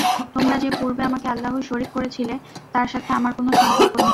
তোমরা যে পূর্বে আমাকে আল্লাহর শরীক করেছিলে তার সাথে আমার কোন সম্পর্ক নেই।